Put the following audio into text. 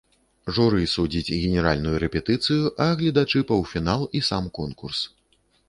Журы судзіць генеральную рэпетыцыю, а гледачы паўфінал і сам конкурс.